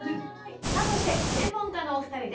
さあそして専門家のお二人です。